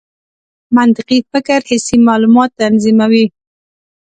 منطقي فکر حسي معلومات تنظیموي.